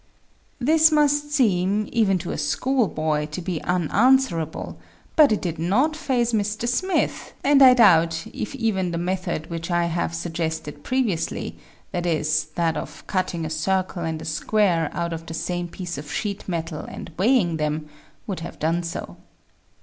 This must seem, even to a school boy, to be unanswer able, but it did not faze Mr. Smith, and I doubt if even the method which I have suggested previously, viz., that of SQUARING THE CIRCLE 29 cutting a circle and a square out of the same piece of sheet metal and weighing them, would have done so.